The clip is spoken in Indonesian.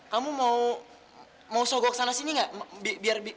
kamu mau sogo kesana sini gak